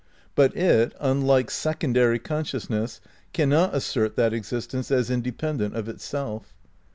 But it, unlike secondary conscious ness, cannot assert that existence as independent of itself.